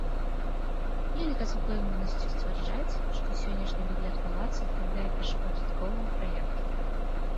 Нельга з упэўненасцю сцвярджаць, што сённяшні выгляд палаца адпавядае першапачатковаму праекту.